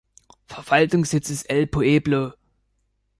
Verwaltungssitz ist El Pueblo.